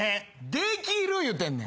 できる言うてんねん。